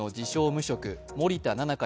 無職・森田菜々佳